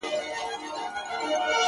o زوى ئې غوښت، خېر ئې نه غوښت!